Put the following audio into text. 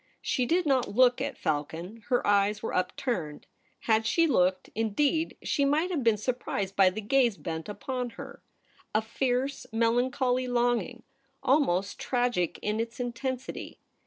She did not look at Falcon — her eyes were upturned. Had she looked, indeed, she might have been surprised by the gaze bent upon her : a fierce, melancholy longing, almost tragic in its intensity.